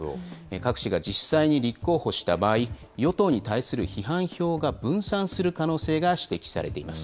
郭氏が実際に立候補した場合、与党に対する批判票が分散する可能性が指摘されています。